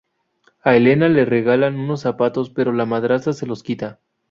A Elena le regalan unos zapatos pero la madrastra se los quita.